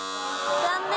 残念。